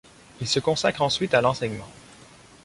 Il se consacre ensuite à l'enseignement.